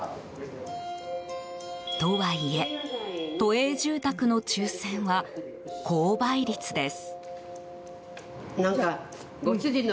とはいえ都営住宅の抽選は高倍率です。